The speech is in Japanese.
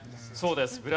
そうです。